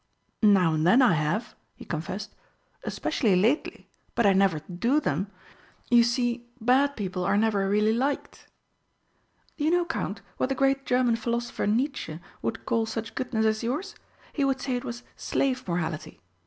"Now and then I have," he confessed. "Especially lately. But I never do them. You see, bad people are never really liked." "Do you know, Count, what the great German philosopher Nietzsche would call such goodness as yours? He would say it was 'slave morality.'